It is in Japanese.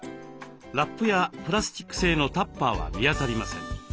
ラップやプラスチック製のタッパーは見当たりません。